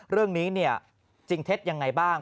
เรื่องนี้จริงเท็จยังไงบ้าง